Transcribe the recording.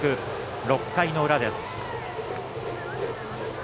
６回の裏です。